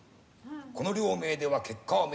この両名では結果は明白。